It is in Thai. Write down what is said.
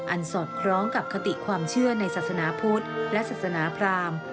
สอดคล้องกับคติความเชื่อในศาสนาพุทธและศาสนาพราม